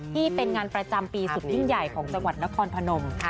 ที่เป็นงานประจำปีสุดยิ่งใหญ่ของจังหวัดนครพนม